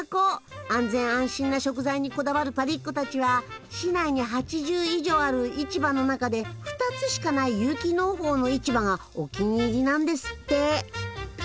安全安心な食材にこだわるパリっ子たちは市内に８０以上ある市場の中で２つしかない有機農法の市場がお気に入りなんですって。